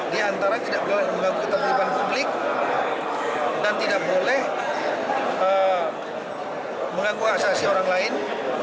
di antara tidak boleh mengganggu ketertiban publik dan tidak boleh mengganggu hak asasi orang lain